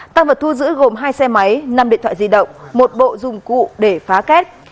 tăng vật thu giữ gồm hai xe máy năm điện thoại di động một bộ dụng cụ để phá kết